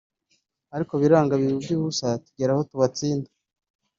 ariko biranga biba iby’ubusa tugera aho tubatsinda